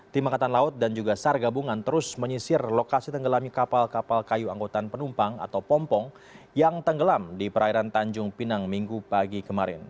tim angkatan laut dan juga sar gabungan terus menyisir lokasi tenggelamnya kapal kapal kayu angkutan penumpang atau pompong yang tenggelam di perairan tanjung pinang minggu pagi kemarin